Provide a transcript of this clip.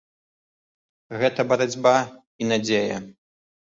Гэта барацьба і надзея.